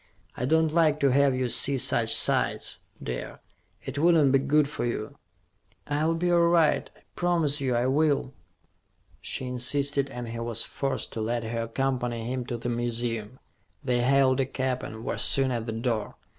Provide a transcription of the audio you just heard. "I don't like to have you see such sights, dear. It wouldn't be good for you." "I'll be all right. I promise you I will." She insisted and he was forced to let her accompany him to the museum. They hailed a cab and were soon at the door.